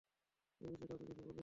এ বিষয়ে কাউকে কিছু বলিস না।